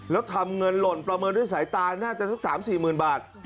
แล้วทำเงินหล่นประเมินด้วยสายตาน่าจะสัก๓๔๐๐๐บาท